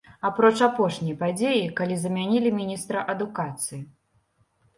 Апроч апошняй падзеі, калі замянілі міністра адукацыі.